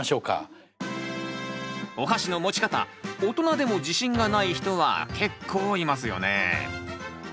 おはしの持ち方大人でも自信がない人は結構いますよね。